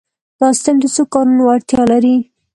دا سیسټم د څو کارونو وړتیا لري.